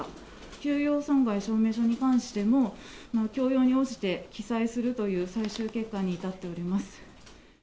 休業損害証明書に関しても、きょうように応じて記載するという最終結果に至っております。